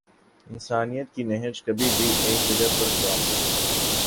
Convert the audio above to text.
انسانیت کی نہج کبھی بھی ایک ڈگر پر گامزن نہیں